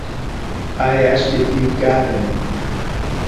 I asked if you'd got any.